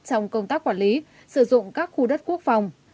trong công tác quản lý sử dụng các khu đất quốc phòng